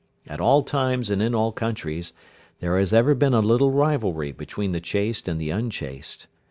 At all times and in all countries, there has ever been a little rivalry between the chaste and the unchaste.